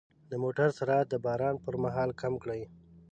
د موټر سرعت د باران پر مهال کم کړئ.